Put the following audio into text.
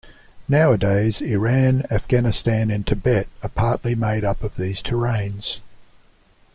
Nowadays, Iran, Afghanistan and Tibet are partly made up of these terranes.